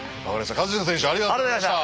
カズチカ選手ありがとうございました。